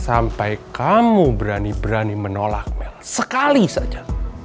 sampai kamu berani berani menolak sekali saja